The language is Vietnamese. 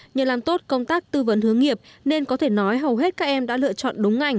nhờ làm tốt công tác tư vấn hướng nghiệp nên có thể nói hầu hết các em đã lựa chọn đúng ngành